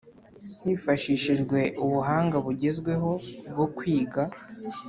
hifashishijwe ubuhanga bugezweho bwo kwiga